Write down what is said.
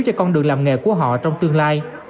cho con đường làm nghề của họ trong tương lai